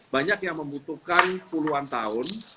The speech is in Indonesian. banyak yang membutuhkan puluhan tahun